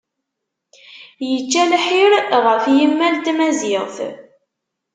Yečča lḥir ɣef yimmal n Tmaziɣt.